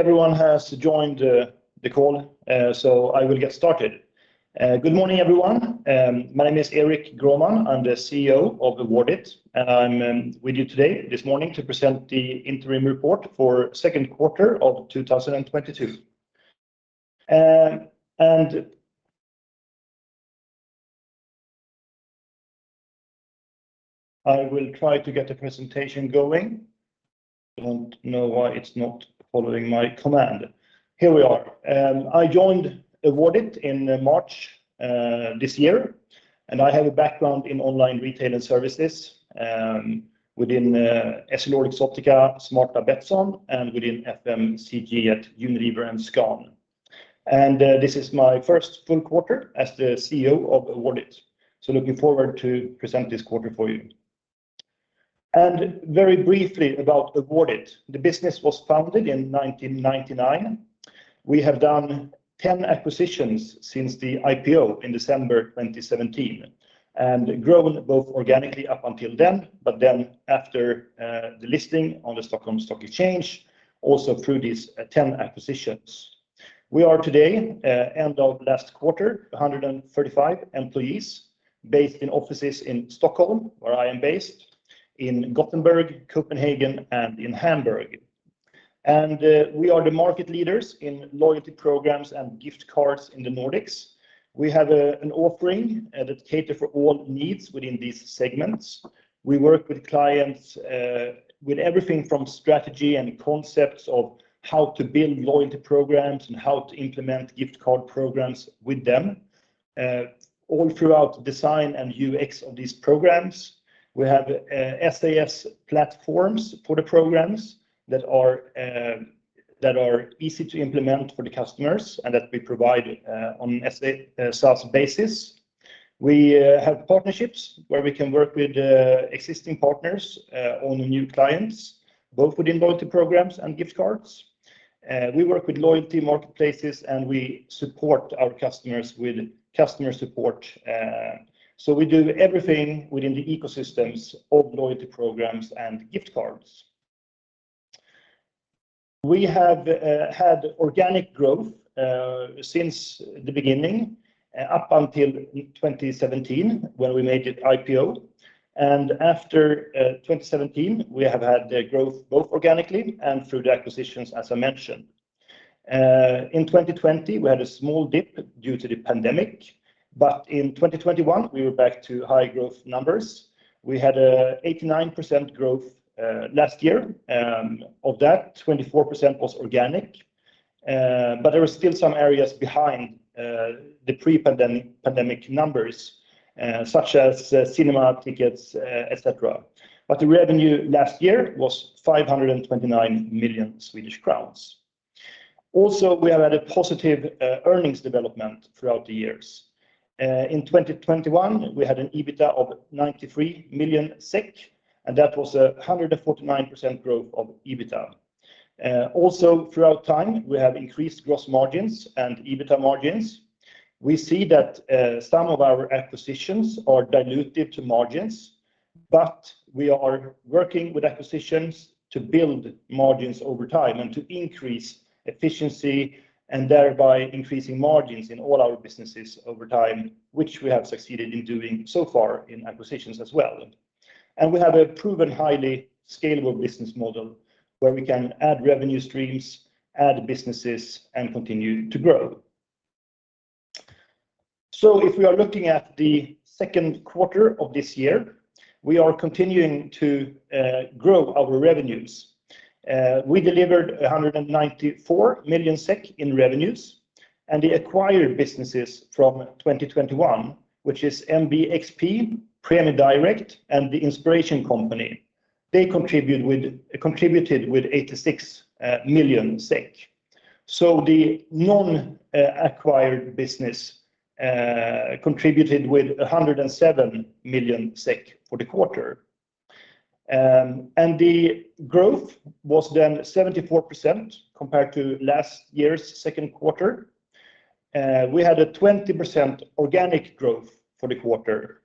Everyone has joined the call, so I will get started. Good morning, everyone. My name is Erik Grohman. I'm the CEO of Awardit, and I'm with you today, this morning, to present the interim report for second quarter of 2022. I will try to get the presentation going. I don't know why it's not following my command. Here we are. I joined Awardit in March this year, and I have a background in online retail and services within EssilorLuxottica, Smarta, Betsson, and within FMCG at Unilever and Charoen. This is my first full quarter as the CEO of Awardit, so looking forward to present this quarter for you. Very briefly about Awardit. The business was founded in 1999. We have done 10 acquisitions since the IPO in December 2017, and grown both organically up until then, but then after the listing on the Stockholm Stock Exchange, also through these 10 acquisitions. We are today, end of last quarter, 135 employees based in offices in Stockholm, where I am based, in Gothenburg, Copenhagen, and in Hamburg. We are the market leaders in loyalty programs and gift cards in the Nordics. We have an offering that cater for all needs within these segments. We work with clients with everything from strategy and concepts of how to build loyalty programs and how to implement gift card programs with them. All throughout design and UX of these programs. We have SaaS platforms for the programs that are easy to implement for the customers and that we provide on a SaaS basis. We have partnerships where we can work with existing partners on new clients, both within loyalty programs and gift cards. We work with loyalty marketplaces, and we support our customers with customer support. We do everything within the ecosystems of loyalty programs and gift cards. We have had organic growth since the beginning up until 2017, when we made it IPO. After 2017, we have had growth both organically and through the acquisitions, as I mentioned. In 2020, we had a small dip due to the pandemic, but in 2021, we were back to high growth numbers. We had 89% growth last year. Of that, 24% was organic. There were still some areas behind the pre-pandemic numbers, such as cinema tickets, etc. The revenue last year was 529 million Swedish crowns. We have had a positive earnings development throughout the years. In 2021, we had an EBITDA of 93 million SEK, and that was 149% growth of EBITDA. Also throughout time, we have increased gross margins and EBITDA margins. We see that some of our acquisitions are dilutive to margins, but we are working with acquisitions to build margins over time and to increase efficiency and thereby increasing margins in all our businesses over time, which we have succeeded in doing so far in acquisitions as well. We have a proven, highly scalable business model where we can add revenue streams, add businesses, and continue to grow. If we are looking at the second quarter of this year, we are continuing to grow our revenues. We delivered 194 million SEK in revenues, and the acquired businesses from 2021, which is MBXP, Prämie Direkt, and The Inspiration Company, they contributed with SEK 86 million. The non-acquired business contributed with 107 million SEK for the quarter. The growth was then 74% compared to last year's second quarter. We had a 20% organic growth for the quarter,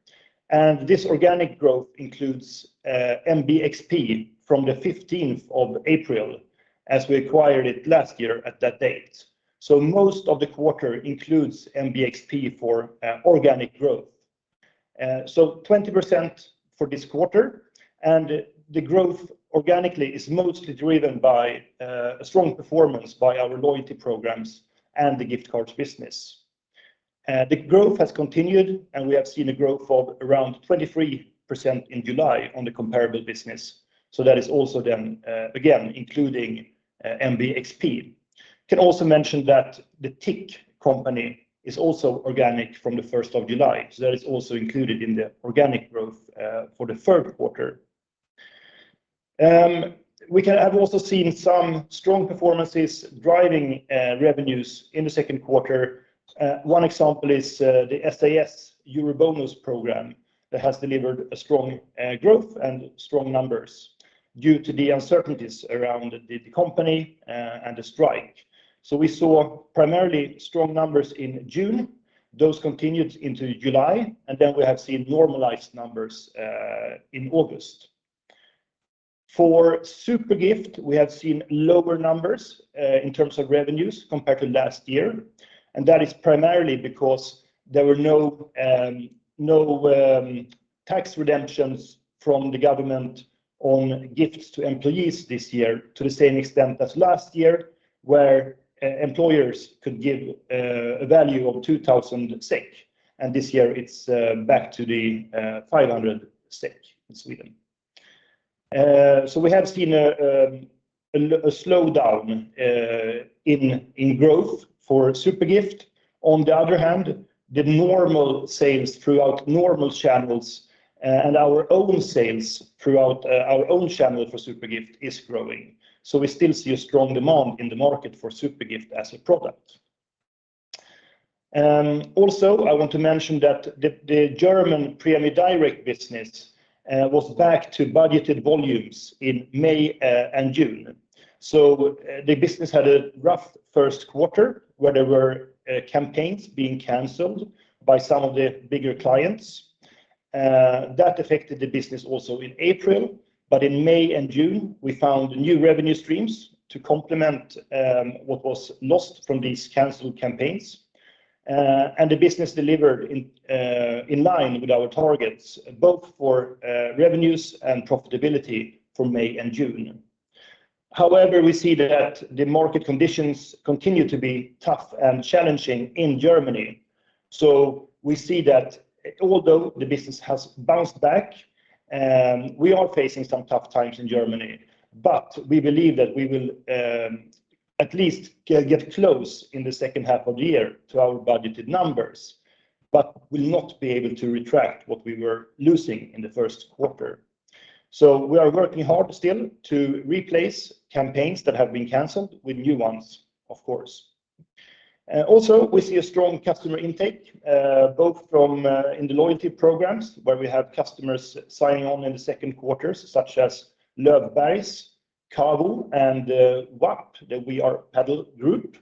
and this organic growth includes MBXP from the 15th of April, as we acquired it last year at that date. Most of the quarter includes MBXP for organic growth. 20% for this quarter, and the growth organically is mostly driven by a strong performance by our loyalty programs and the gift cards business. The growth has continued, and we have seen a growth of around 23% in July on the comparable business. That is also including MBXP. Can also mention that The Inspiration Company is also organic from the first of July, that is also included in the organic growth for the third quarter. We have also seen some strong performances driving revenues in the second quarter. One example is the SAS EuroBonus program that has delivered a strong growth and strong numbers due to the uncertainties around the company and the strike. We saw primarily strong numbers in June. Those continued into July, and then we have seen normalized numbers in August. For Zupergift, we have seen lower numbers in terms of revenues compared to last year. That is primarily because there were no tax redemptions from the government on gifts to employees this year to the same extent as last year, where employers could give a value of 2,000 SEK. This year, it's back to the 500 SEK in Sweden. We have seen a slowdown in growth for Zupergift. On the other hand, the normal sales throughout normal channels and our own sales throughout our own channel for Zupergift is growing. We still see a strong demand in the market for Zupergift as a product. I want to mention that the German Prämie Direkt business was back to budgeted volumes in May and June. The business had a rough first quarter where there were campaigns being canceled by some of the bigger clients. That affected the business also in April. In May and June, we found new revenue streams to complement what was lost from these canceled campaigns. The business delivered in line with our targets, both for revenues and profitability for May and June. However, we see that the market conditions continue to be tough and challenging in Germany. We see that although the business has bounced back, and we are facing some tough times in Germany. We believe that we will at least get close in the second half of the year to our budgeted numbers, but will not be able to retract what we were losing in the first quarter. We are working hard still to replace campaigns that have been canceled with new ones, of course. Also, we see a strong customer intake both from in the loyalty programs where we have customers signing on in the second quarter, such as Löfbergs, CAGG, and WAP, the We Are Padel Group.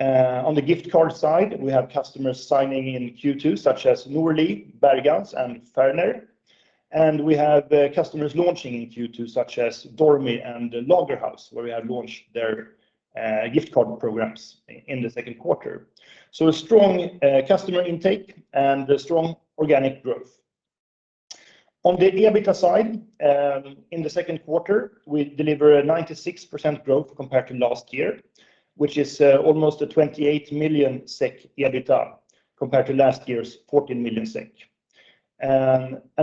On the gift card side, we have customers signing in Q2 such as Norli, Bergans, and Ferner. We have customers launching in Q2 such as Dormy and Lagerhaus, where we have launched their gift card programs in the second quarter. A strong customer intake and a strong organic growth. On the EBITDA side, in the second quarter, we deliver 96% growth compared to last year, which is almost 28 million SEK EBITDA compared to last year's 14 million SEK.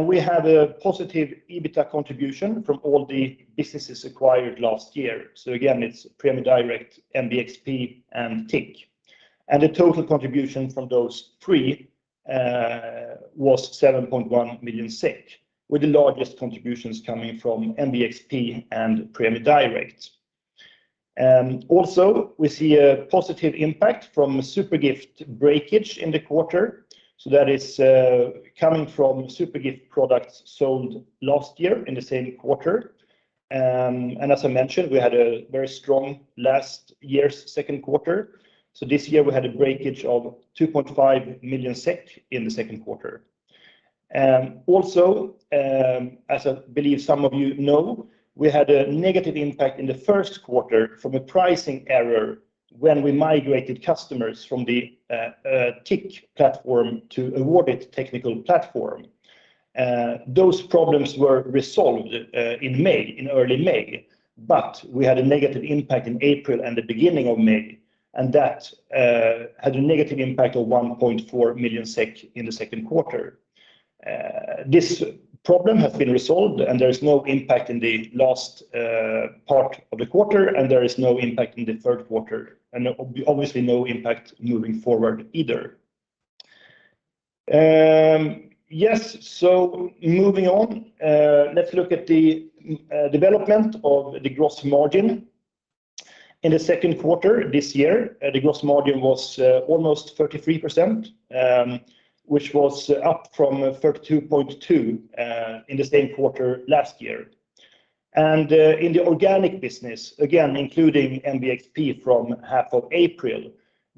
We have a positive EBITDA contribution from all the businesses acquired last year. Again, it's Prämie Direkt, MBXP, and TIC. The total contribution from those three was 7.1 million SEK, with the largest contributions coming from MBXP and Prämie Direkt. Also, we see a positive impact from Zupergift breakage in the quarter. That is coming from Zupergift products sold last year in the same quarter. As I mentioned, we had a very strong last year's second quarter. This year, we had a breakage of 2.5 million SEK in the second quarter. As I believe some of you know, we had a negative impact in the first quarter from a pricing error when we migrated customers from the TIC platform to Awardit technical platform. Those problems were resolved in May, in early May, but we had a negative impact in April and the beginning of May, and that had a negative impact of 1.4 million SEK in the second quarter. This problem has been resolved, and there is no impact in the last part of the quarter, and there is no impact in the third quarter, and obviously no impact moving forward either. Moving on, let's look at the development of the gross margin. In the second quarter this year, the gross margin was almost 33%, which was up from 32.2% in the same quarter last year. In the organic business, again, including MBXP from half of April,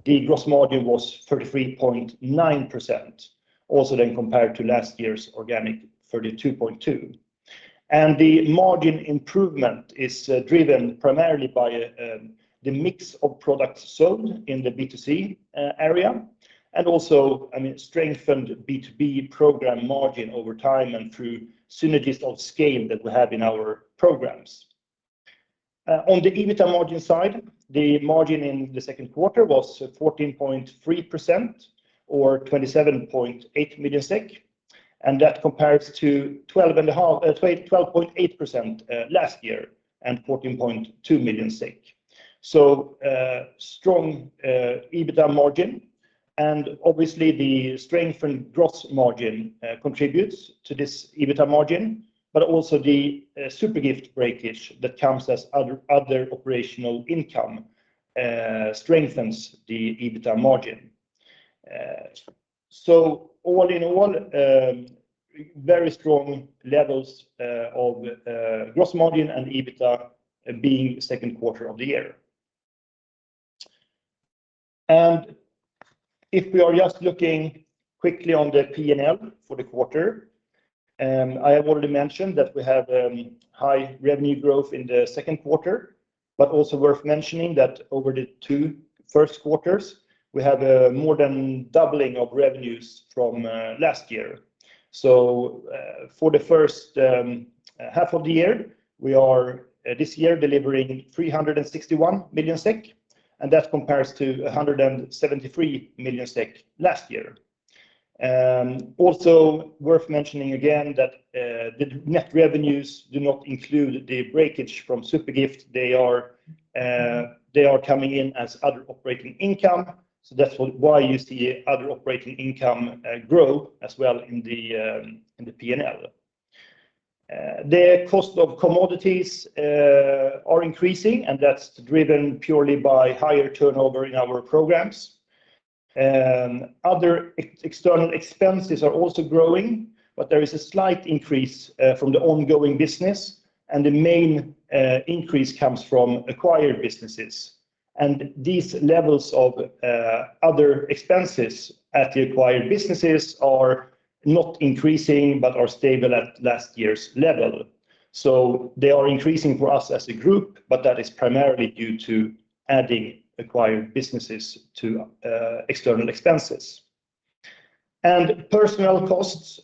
the gross margin was 33.9%, also then compared to last year's organic 32.2%. The margin improvement is driven primarily by the mix of products sold in the B2C area, and also, I mean, strengthened B2B program margin over time and through synergies of scale that we have in our programs. On the EBITDA margin side, the margin in the second quarter was 14.3% or 27.8 million SEK, and that compares to 12.8% last year and 14.2 million. Strong EBITDA margin and obviously the strengthened gross margin contributes to this EBITDA margin, but also the Zupergift breakage that comes as other operational income strengthens the EBITDA margin. All in all, very strong levels of gross margin and EBITDA being second quarter of the year. If we are just looking quickly on the P&L for the quarter, I have already mentioned that we have high revenue growth in the second quarter, but also worth mentioning that over the two first quarters, we have more than doubling of revenues from last year. For the first half of the year, we are this year delivering 361 million SEK, and that compares to 173 million SEK last year. Also worth mentioning again that the net revenues do not include the breakage from Zupergift. They are coming in as other operating income, so that's why you see other operating income grow as well in the P&L. The cost of commodities are increasing, and that's driven purely by higher turnover in our programs. Other external expenses are also growing, but there is a slight increase from the ongoing business, and the main increase comes from acquired businesses. These levels of other expenses at the acquired businesses are not increasing, but are stable at last year's level. They are increasing for us as a group, but that is primarily due to adding acquired businesses to external expenses. Personnel costs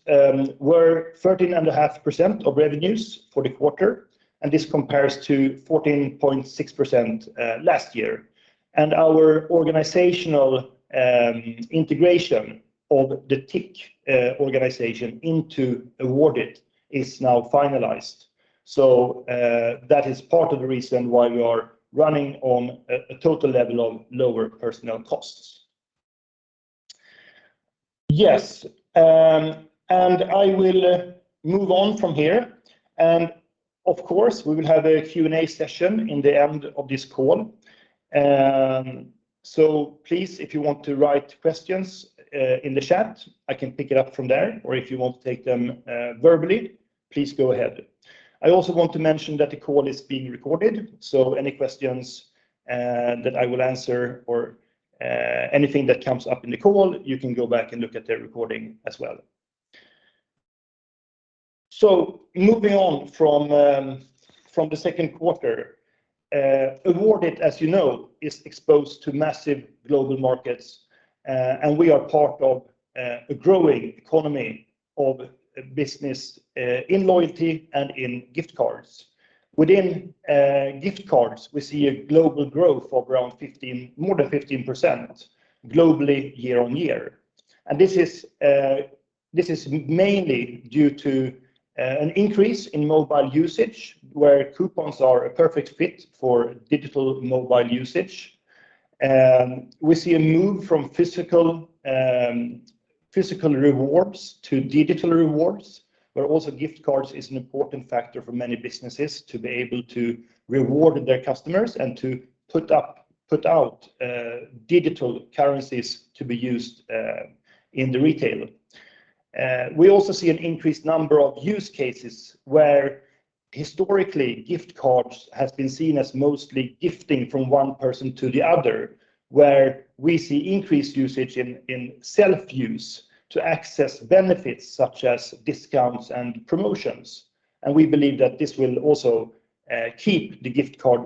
were 13.5% of revenues for the quarter, and this compares to 14.6% last year. Our organizational integration of the TIC organization into Awardit is now finalized, so that is part of the reason why we are running on a total level of lower personnel costs. Yes, and I will move on from here. Of course, we will have a Q&A session in the end of this call. Please, if you want to write questions in the chat, I can pick it up from there, or if you want to take them verbally, please go ahead. I also want to mention that the call is being recorded, so any questions that I will answer or anything that comes up in the call, you can go back and look at the recording as well. Moving on from the second quarter. Awardit, as you know, is exposed to massive global markets, and we are part of a growing economy of business in loyalty and in gift cards. Within gift cards, we see a global growth of more than 15% globally year-over-year. This is mainly due to an increase in mobile usage where coupons are a perfect fit for digital mobile usage. We see a move from physical rewards to digital rewards, but also gift cards is an important factor for many businesses to be able to reward their customers and to put out digital currencies to be used in the retail. We also see an increased number of use cases where historically, gift cards has been seen as mostly gifting from one person to the other, where we see increased usage in self use to access benefits such as discounts and promotions. We believe that this will also keep the gift card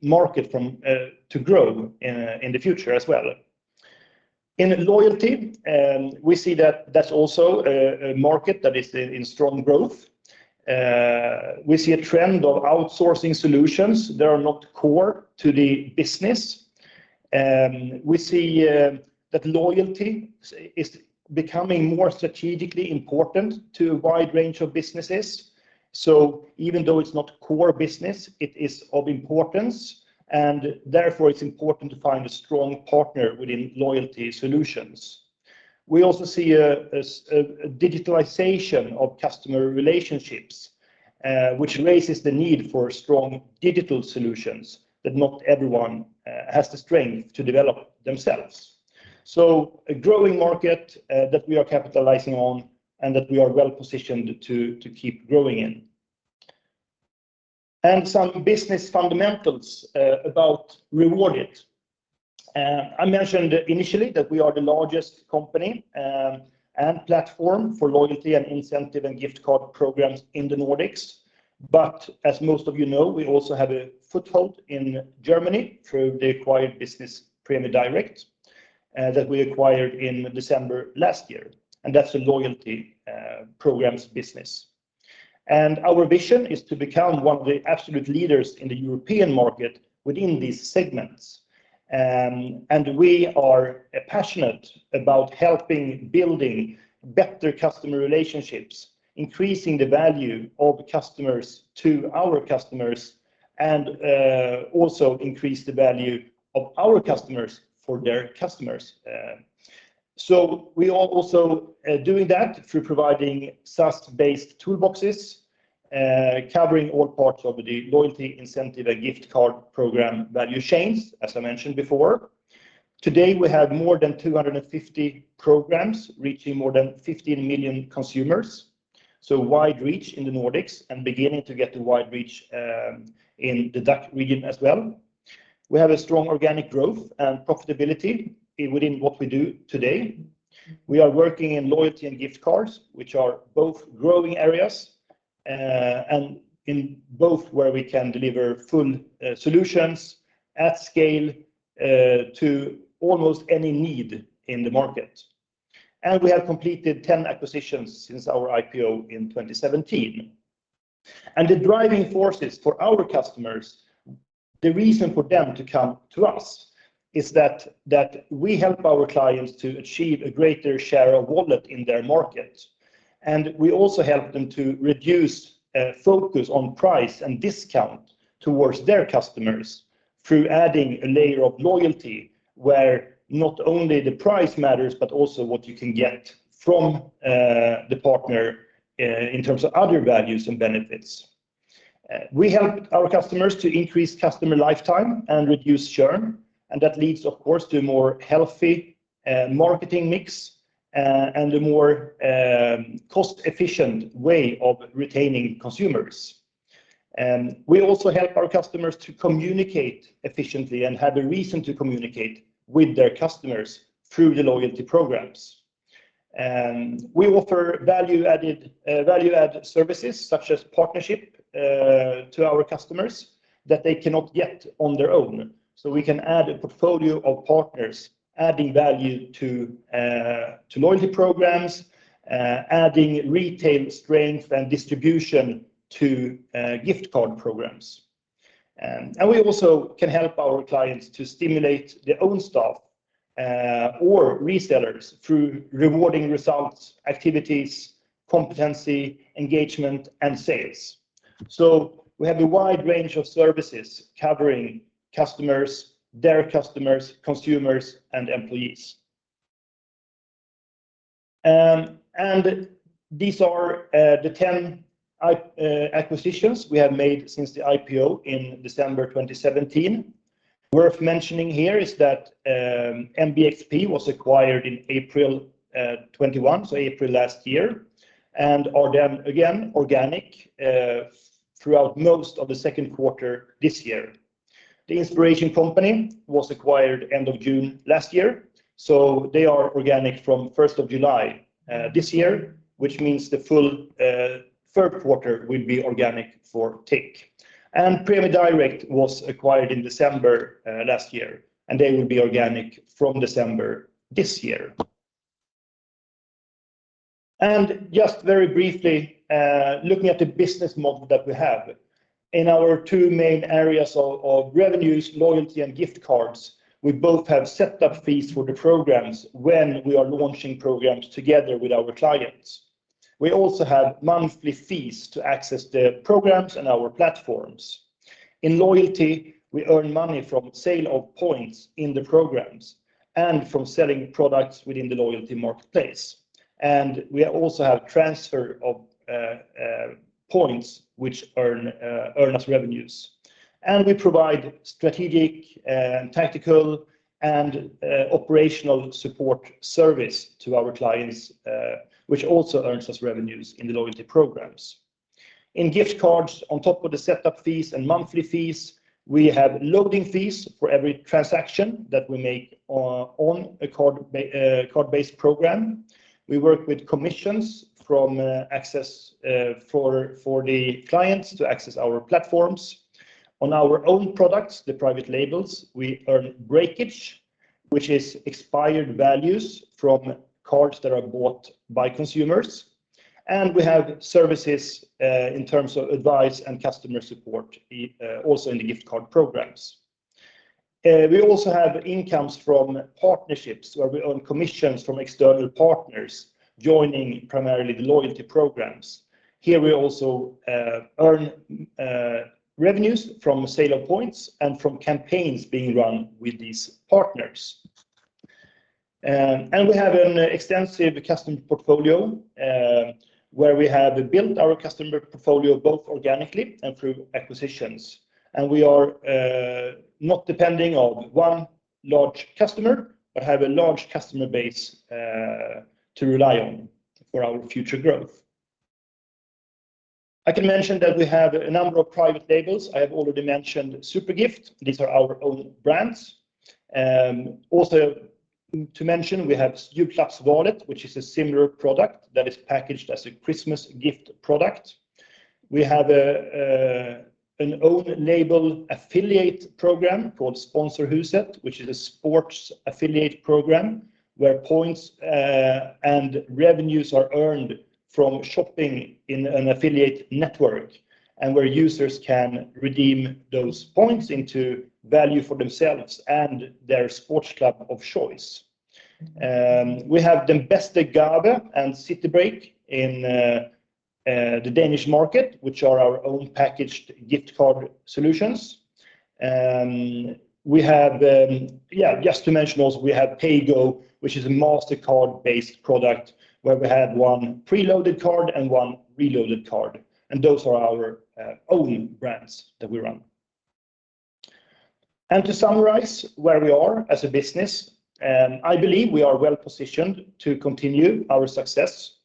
market to grow in the future as well. In loyalty, we see that that's also a market that is in strong growth. We see a trend of outsourcing solutions that are not core to the business. We see that loyalty is becoming more strategically important to a wide range of businesses. Even though it's not core business, it is of importance, and therefore it's important to find a strong partner within loyalty solutions. We also see a digitalization of customer relationships, which raises the need for strong digital solutions that not everyone has the strength to develop themselves. A growing market that we are capitalizing on and that we are well-positioned to keep growing in. Some business fundamentals about Awardit. I mentioned initially that we are the largest company and platform for loyalty and incentive and gift card programs in the Nordics. As most of you know, we also have a foothold in Germany through the acquired business, Prämie Direkt, that we acquired in December last year, and that's a loyalty programs business. Our vision is to become one of the absolute leaders in the European market within these segments. We are passionate about helping building better customer relationships, increasing the value of customers to our customers, and also increase the value of our customers for their customers. We are also doing that through providing SaaS-based toolboxes. Covering all parts of the loyalty incentive and gift card program value chains, as I mentioned before. Today, we have more than 250 programs reaching more than 15 million consumers. Wide reach in the Nordics and beginning to get a wide reach in the DACH region as well. We have a strong organic growth and profitability within what we do today. We are working in loyalty and gift cards, which are both growing areas, and in both where we can deliver full solutions at scale, to almost any need in the market. We have completed 10 acquisitions since our IPO in 2017. The driving forces for our customers, the reason for them to come to us is that we help our clients to achieve a greater share of wallet in their market. We also help them to reduce focus on price and discount towards their customers through adding a layer of loyalty where not only the price matters, but also what you can get from the partner in terms of other values and benefits. We help our customers to increase customer lifetime and reduce churn, and that leads, of course, to a more healthy marketing mix and a more cost-efficient way of retaining consumers. We also help our customers to communicate efficiently and have a reason to communicate with their customers through the loyalty programs. We offer value-added services such as partnership to our customers that they cannot get on their own. We can add a portfolio of partners, adding value to loyalty programs, adding retail strength and distribution to gift card programs. We also can help our clients to stimulate their own staff or resellers through rewarding results, activities, competency, engagement, and sales. We have a wide range of services covering customers, their customers, consumers, and employees. These are the 10 acquisitions we have made since the IPO in December 2017. Worth mentioning here is that MBXP was acquired in April 2021, so April last year, and are then organic throughout most of the second quarter this year. The Inspiration Company was acquired end of June last year, so they are organic from first of July this year, which means the full third quarter will be organic for TIC. Prämie Direkt was acquired in December last year, and they will be organic from December this year. Just very briefly looking at the business model that we have. In our two main areas of revenues, loyalty and gift cards, we both have set up fees for the programs when we are launching programs together with our clients. We also have monthly fees to access the programs and our platforms. In loyalty, we earn money from sale of points in the programs and from selling products within the loyalty marketplace. We also have transfer of points which earn us revenues. We provide strategic, tactical and operational support service to our clients, which also earns us revenues in the loyalty programs. In gift cards, on top of the setup fees and monthly fees, we have loading fees for every transaction that we make on a card-based program. We work with commissions from access for the clients to access our platforms. On our own products, the private labels, we earn breakage, which is expired values from cards that are bought by consumers. We have services in terms of advice and customer support also in the gift card programs. We also have incomes from partnerships where we earn commissions from external partners joining primarily the loyalty programs. Here we also earn revenues from sale of points and from campaigns being run with these partners. We have an extensive customer portfolio where we have built our customer portfolio both organically and through acquisitions. We are not depending on one large customer, but have a large customer base to rely on for our future growth. I can mention that we have a number of private labels. I have already mentioned Zupergift. These are our own brands. Also to mention, we have Julklappsvåningen, which is a similar product that is packaged as a Christmas gift product. We have an own label affiliate program called Sponsorhuset, which is a sports affiliate program where points and revenues are earned from shopping in an affiliate network and where users can redeem those points into value for themselves and their sports club of choice. We have Den Bästa Gåvan and CityBreak in the Danish market, which are our own packaged gift card solutions. We have, just to mention also, we have Paygoo, which is a Mastercard-based product where we have one preloaded card and one reloaded card. Those are our own brands that we run. To summarize where we are as a business, and I believe we are well-positioned to continue our success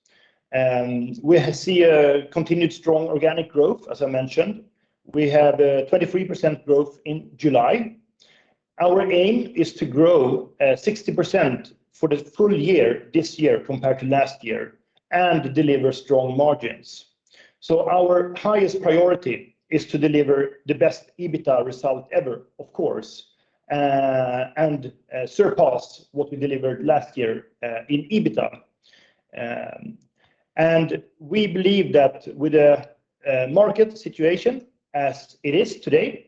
and we see a continued strong organic growth, as I mentioned, we have a 23% growth in July. Our aim is to grow 60% for the full year this year compared to last year and deliver strong margins. Our highest priority is to deliver the best EBITDA result ever, of course, and surpass what we delivered last year in EBITDA. We believe that with the market situation as it is today,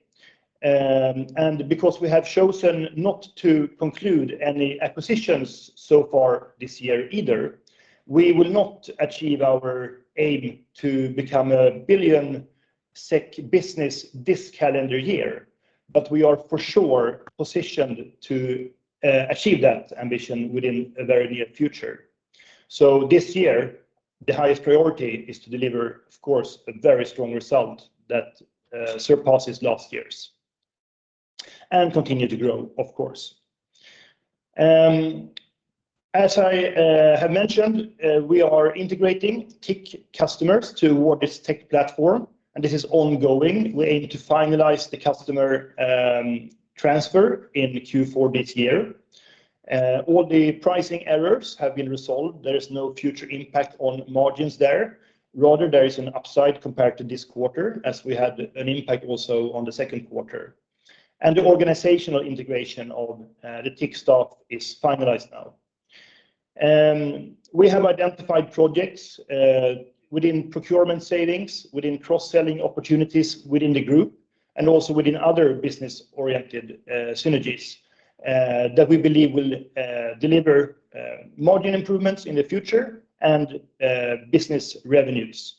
and because we have chosen not to conclude any acquisitions so far this year either, we will not achieve our aim to become a 1 billion SEK business this calendar year. We are for sure positioned to achieve that ambition within a very near future. This year, the highest priority is to deliver, of course, a very strong result that surpasses last year's and continue to grow, of course. As I have mentioned, we are integrating TIC customers to Awardit's tech platform, and this is ongoing. We aim to finalize the customer transfer in Q4 this year. All the pricing errors have been resolved. There is no future impact on margins there. Rather, there is an upside compared to this quarter as we had an impact also on the second quarter and the organizational integration of the TIC staff is finalized now. We have identified projects within procurement savings, within cross-selling opportunities within the group and also within other business-oriented synergies that we believe will deliver margin improvements in the future and business revenues.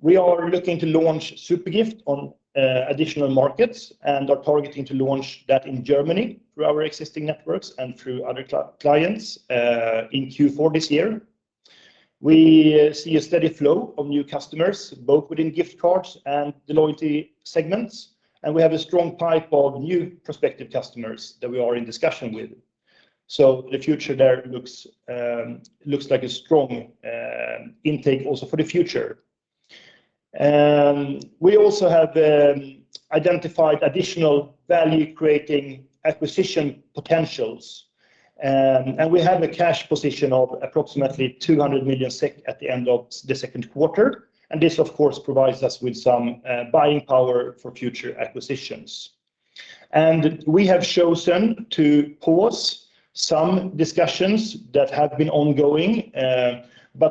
We are looking to launch Zupergift on additional markets and are targeting to launch that in Germany through our existing networks and through other clients in Q4 this year. We see a steady flow of new customers, both within gift cards and the loyalty segments, and we have a strong pipe of new prospective customers that we are in discussion with. The future there looks like a strong intake also for the future. We also have identified additional value-creating acquisition potentials. We have a cash position of approximately 200 million SEK at the end of the second quarter. This of course provides us with some buying power for future acquisitions. We have chosen to pause some discussions that have been ongoing.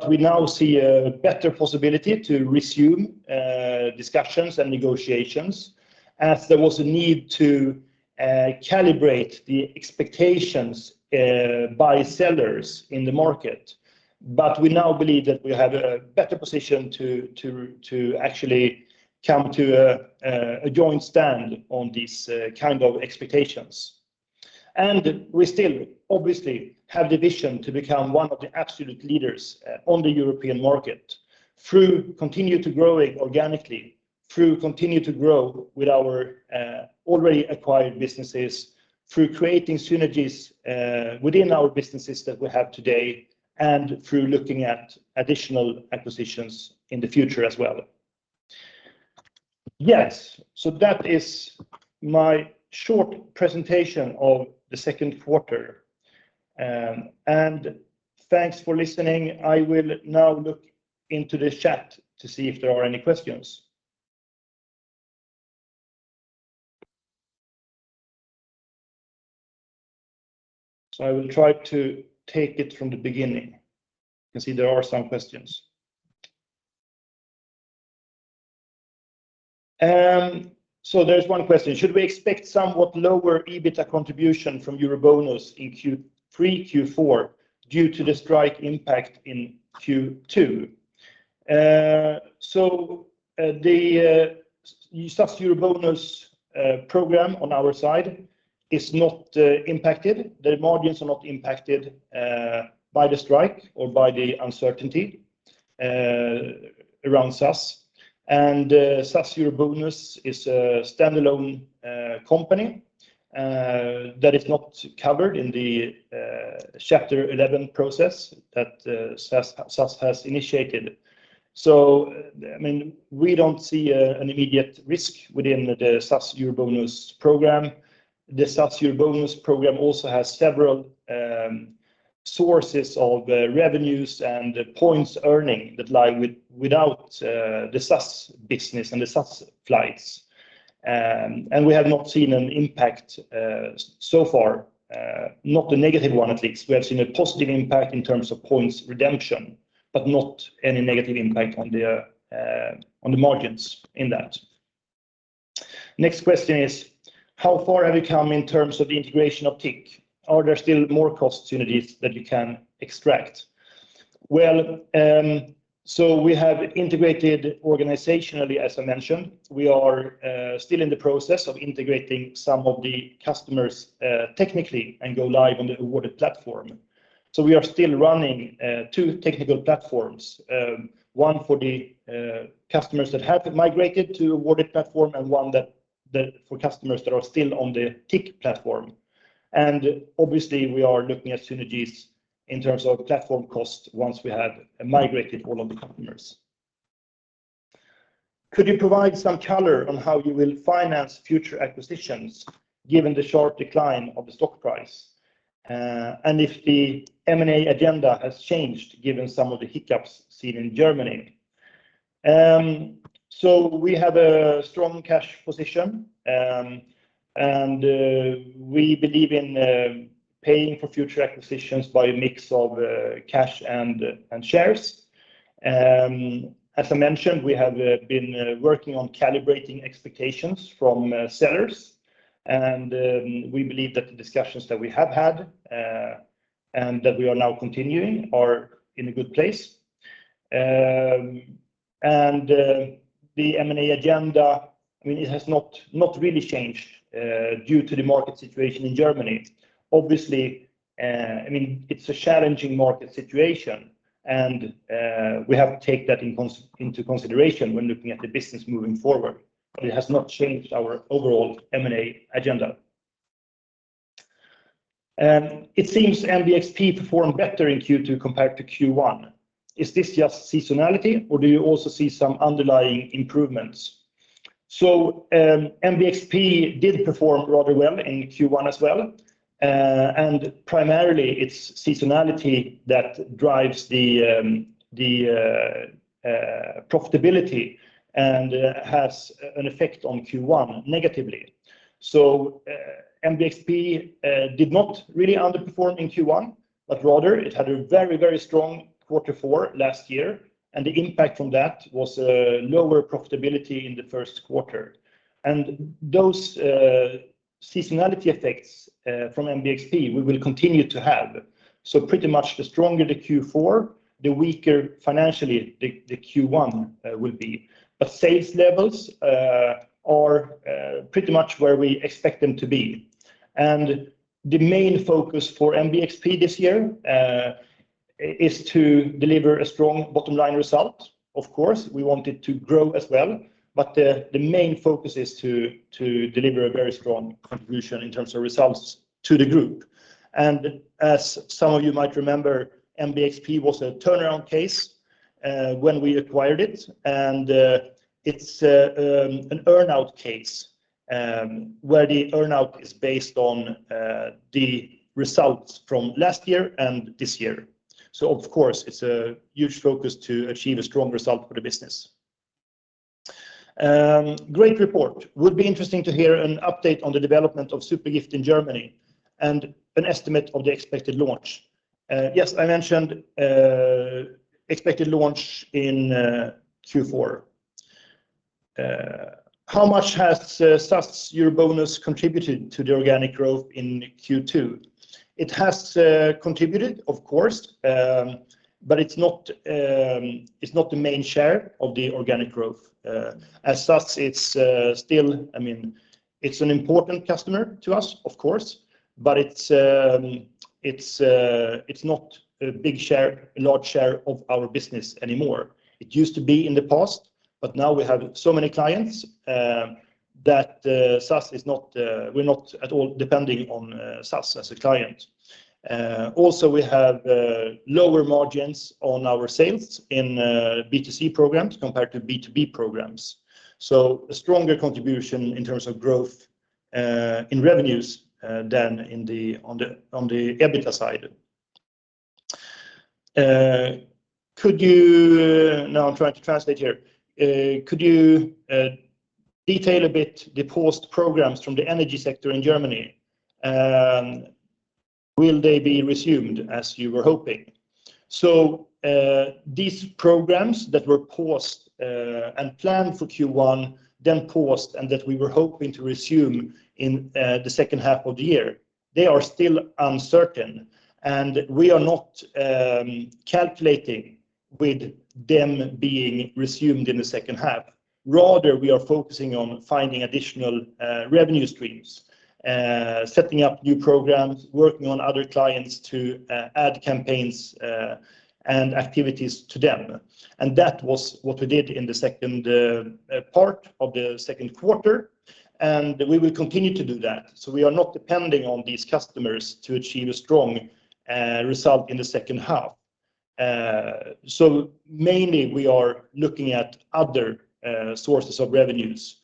We now see a better possibility to resume discussions and negotiations as there was a need to calibrate the expectations by sellers in the market. We now believe that we have a better position to actually come to a joint stand on these kind of expectations. We still obviously have the vision to become one of the absolute leaders on the European market through continue to growing organically, through continue to grow with our already acquired businesses, through creating synergies within our businesses that we have today and through looking at additional acquisitions in the future as well. Yes. That is my short presentation of the second quarter. Thanks for listening. I will now look into the chat to see if there are any questions. I will try to take it from the beginning. I can see there are some questions. There's one question: Should we expect somewhat lower EBITDA contribution from EuroBonus in Q3, Q4 due to the strike impact in Q2? The SAS EuroBonus program on our side is not impacted. The margins are not impacted by the strike or by the uncertainty around SAS and SAS EuroBonus is a standalone company that is not covered in the Chapter 11 process that SAS has initiated. I mean, we don't see an immediate risk within the SAS EuroBonus program. The SAS EuroBonus program also has several sources of revenues and points earning that lie without the SAS business and the SAS flights. We have not seen an impact so far, not a negative one at least. We have seen a positive impact in terms of points redemption, but not any negative impact on the margins in that. Next question is, how far have you come in terms of the integration of TIC? Are there still more cost synergies that you can extract? Well, we have integrated organizationally, as I mentioned. We are still in the process of integrating some of the customers, technically and go live on the Awardit platform. We are still running two technical platforms, one for the customers that have migrated to Awardit platform and one that for customers that are still on the TIC platform. Obviously we are looking at synergies in terms of platform cost once we have migrated all of the customers. Could you provide some color on how you will finance future acquisitions given the sharp decline of the stock price? And if the M&A agenda has changed given some of the hiccups seen in Germany? We have a strong cash position, and we believe in paying for future acquisitions by a mix of cash and shares. As I mentioned, we have been working on calibrating expectations from sellers, and we believe that the discussions that we have had and that we are now continuing are in a good place. The M&A agenda, I mean, it has not really changed due to the market situation in Germany. Obviously, I mean, it's a challenging market situation, and we have to take that into consideration when looking at the business moving forward. It has not changed our overall M&A agenda. It seems MBXP performed better in Q2 compared to Q1. Is this just seasonality, or do you also see some underlying improvements? MBXP did perform rather well in Q1 as well. Primarily it's seasonality that drives the profitability and has an effect on Q1 negatively. MBXP did not really underperform in Q1, but rather it had a very, very strong quarter four last year, and the impact from that was a lower profitability in the first quarter. Those seasonality effects from MBXP, we will continue to have. Pretty much the stronger the Q4, the weaker financially the Q1 will be. Sales levels are pretty much where we expect them to be. The main focus for MBXP this year is to deliver a strong bottom line result. Of course, we want it to grow as well, but the main focus is to deliver a very strong contribution in terms of results to the group. As some of you might remember, MBXP was a turnaround case when we acquired it, and it's an earn-out case where the earn-out is based on the results from last year and this year. Of course, it's a huge focus to achieve a strong result for the business. Great report. Would be interesting to hear an update on the development of Zupergift in Germany and an estimate of the expected launch. Yes, I mentioned expected launch in Q4. How much has SAS EuroBonus contributed to the organic growth in Q2? It has contributed of course, but it's not the main share of the organic growth. As such, it's still, I mean, it's an important customer to us, of course, but it's not a big share, large share of our business anymore. It used to be in the past, but now we have so many clients that we're not at all depending on SAS as a client. Also, we have lower margins on our sales in B2C programs compared to B2B programs. A stronger contribution in terms of growth in revenues than on the EBITDA side. Could you. Now I'm trying to translate here. Could you detail a bit the paused programs from the energy sector in Germany? Will they be resumed as you were hoping? These programs that were paused and planned for Q1, then paused, and that we were hoping to resume in the second half of the year, they are still uncertain, and we are not calculating with them being resumed in the second half. Rather, we are focusing on finding additional revenue streams, setting up new programs, working on other clients to add campaigns and activities to them. That was what we did in the second part of the second quarter, and we will continue to do that. We are not depending on these customers to achieve a strong result in the second half. Mainly we are looking at other sources of revenues.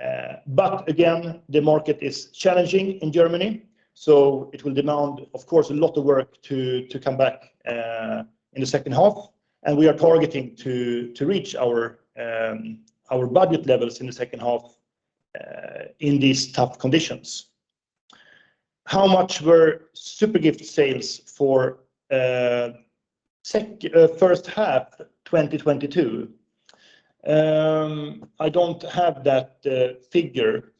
Again, the market is challenging in Germany, so it will demand, of course, a lot of work to come back in the second half. We are targeting to reach our budget levels in the second half in these tough conditions. How much were Zupergift sales for first half 2022? I don't have that figure.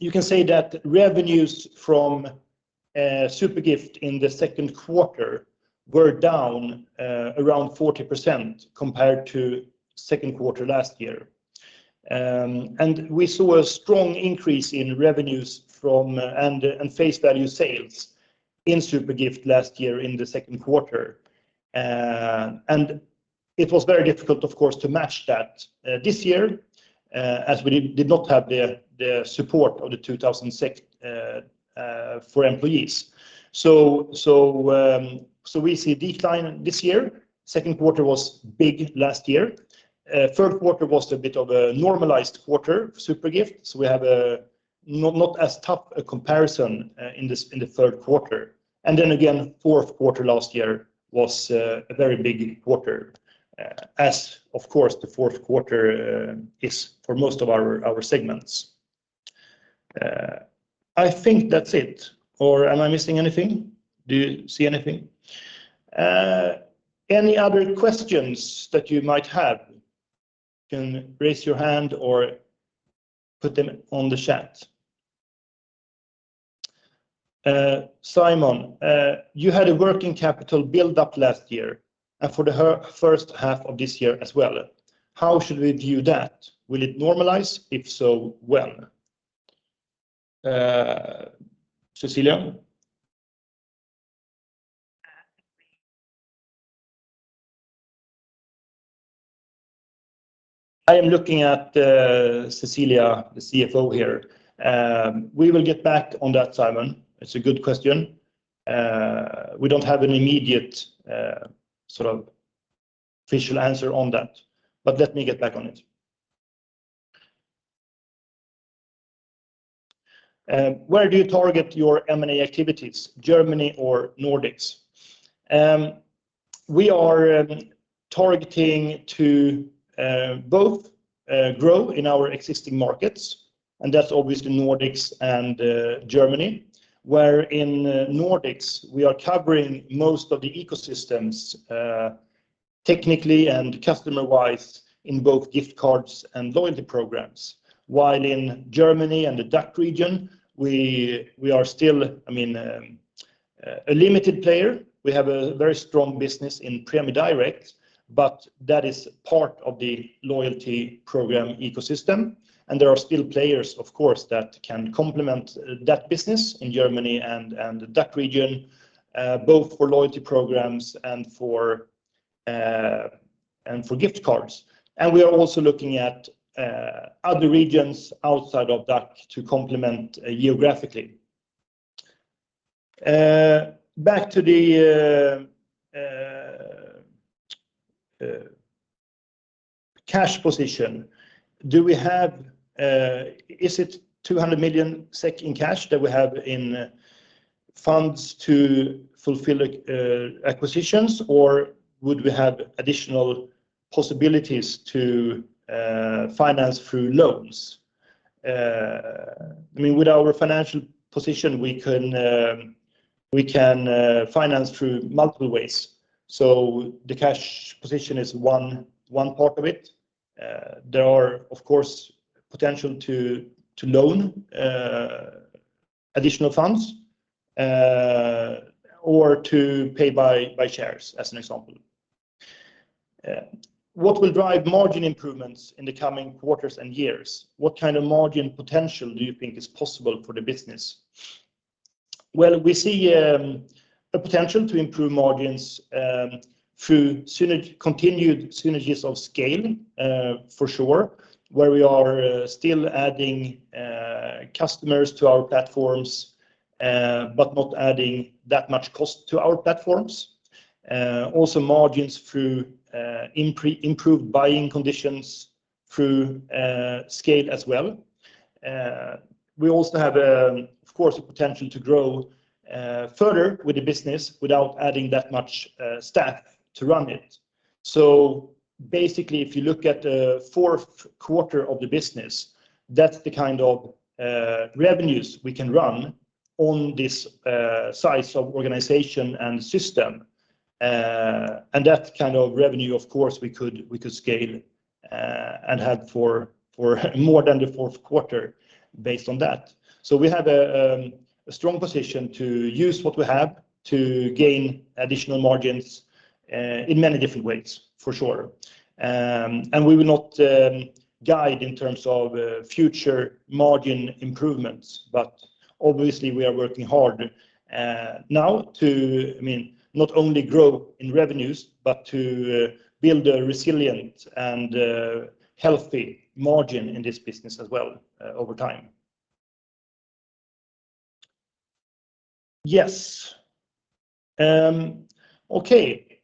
You can say that revenues from Zupergift in the second quarter were down around 40% compared to second quarter last year. We saw a strong increase in revenues from and face value sales in Zupergift last year in the second quarter. It was very difficult, of course, to match that this year, as we did not have the support of the 2006 for employees. We see a decline this year. Second quarter was big last year. Third quarter was a bit of a normalized quarter, Zupergift. We have a not as tough a comparison in the third quarter. Then again, fourth quarter last year was a very big quarter, as of course, the fourth quarter is for most of our segments. I think that's it, or am I missing anything? Do you see anything? Any other questions that you might have? You can raise your hand or put them on the chat. Simon, you had a working capital build up last year and for the first half of this year as well. How should we view that? Will it normalize? If so, when? Cecilia? I am looking at Cecilia, the CFO here. We will get back on that, Simon. It's a good question. We don't have an immediate sort of official answer on that, but let me get back on it. Where do you target your M&A activities, Germany or Nordics? We are targeting to both grow in our existing markets, and that's obviously Nordics and Germany, where in Nordics, we are covering most of the ecosystems technically and customer-wise in both gift cards and loyalty programs. While in Germany and the DACH region, we are still, I mean, a limited player. We have a very strong business in Prämie Direkt, but that is part of the loyalty program ecosystem. There are still players, of course, that can complement that business in Germany and the DACH region, both for loyalty programs and for gift cards. We are also looking at other regions outside of DACH to complement geographically. Back to the cash position. Is it 200 million SEK in cash that we have in funds to fulfill acquisitions, or would we have additional possibilities to finance through loans? I mean, with our financial position, we can finance through multiple ways. The cash position is one part of it. There are, of course, potential to loan additional funds, or to pay by shares as an example. What will drive margin improvements in the coming quarters and years? What kind of margin potential do you think is possible for the business? Well, we see a potential to improve margins through continued synergies of scale, for sure, where we are still adding customers to our platforms, but not adding that much cost to our platforms. Also margins through improved buying conditions through scale as well. We also have, of course, a potential to grow further with the business without adding that much staff to run it. Basically, if you look at the fourth quarter of the business, that's the kind of revenues we can run on this size of organization and system. That kind of revenue, of course, we could scale and have for more than the fourth quarter based on that. We have a strong position to use what we have to gain additional margins in many different ways, for sure. We will not guide in terms of future margin improvements, but obviously, we are working hard now to, I mean, not only grow in revenues, but to build a resilient and healthy margin in this business as well over time. Yes. Okay.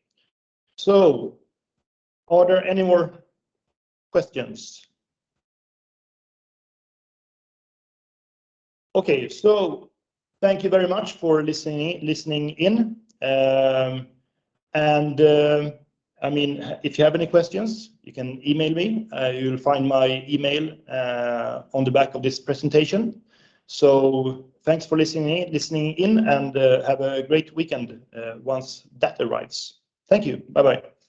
Are there any more questions? Okay. Thank you very much for listening in. I mean, if you have any questions, you can email me. You'll find my email on the back of this presentation. Thanks for listening in, and have a great weekend once that arrives. Thank you. Bye-bye.